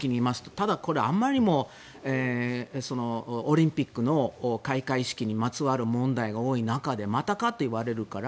ただ、これはあまりにもオリンピックの開会式にまつわる問題が多い中でまたかと言われるから。